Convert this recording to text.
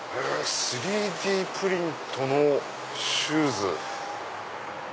３Ｄプリントのシューズ。